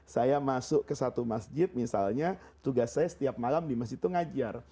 saya masuk ke satu masjid misalnya tugas saya setiap malam di masjid itu ngajar